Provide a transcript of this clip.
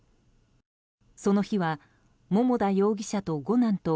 その日は、桃田容疑者と五男と